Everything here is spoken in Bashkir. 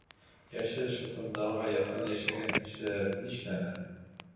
— Йәшел шытымдарға яҡын йәшәгән кешеләр нишләне?